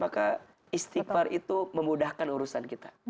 maka istighfar itu memudahkan urusan kita